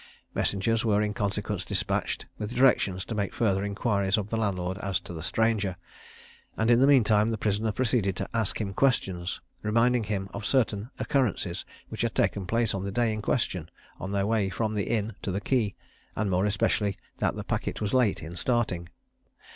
Messengers were in consequence despatched, with directions to make further inquiries of the landlord as to the stranger; and in the meantime the prisoner proceeded to ask him questions, reminding him of certain occurrences which had taken place on the day in question on their way from the inn to the quay, and more especially that the packet was late in starting.